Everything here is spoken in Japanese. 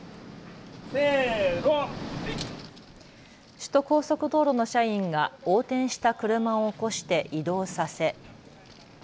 首都高速道路の社員が横転した車を起こして移動させ。